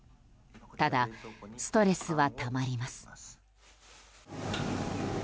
ただ、ストレスはたまります。